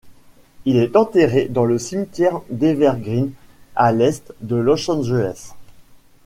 Il est enterré dans le cimetière d'Evergreen à l’est de Los Angeles.